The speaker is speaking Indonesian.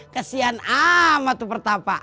kesian amat tuh pertapa